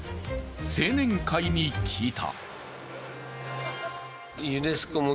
青年会に聞いた。